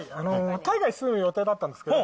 海外に住む予定だったんですけど、